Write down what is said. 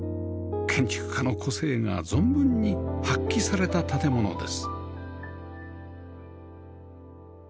建築家の個性が存分に発揮された建物です